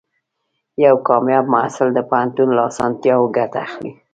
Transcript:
یو کامیاب محصل د پوهنتون له اسانتیاوو ګټه اخلي.